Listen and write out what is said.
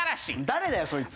誰だよそいつ。